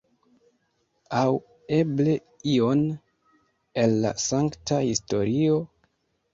Aŭ eble ion el la sankta historio?